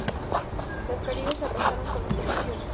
Los caribes arrasaron con las poblaciones.